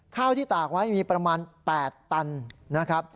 ข้าวที่ตากไว้มีประมาณ๘ตันนะครับ